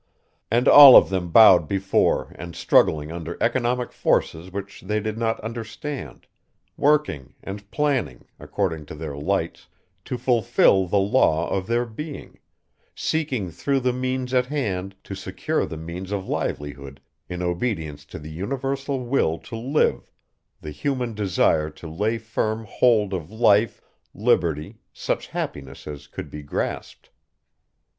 And all of them bowed before and struggling under economic forces which they did not understand, working and planning, according to their lights, to fulfill the law of their being, seeking through the means at hand to secure the means of livelihood in obedience to the universal will to live, the human desire to lay firm hold of life, liberty, such happiness as could be grasped.